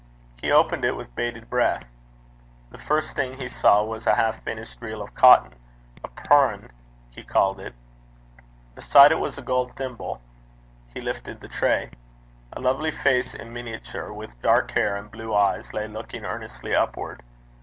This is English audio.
He opened it with bated breath. The first thing he saw was a half finished reel of cotton a pirn, he called it. Beside it was a gold thimble. He lifted the tray. A lovely face in miniature, with dark hair and blue eyes, lay looking earnestly upward.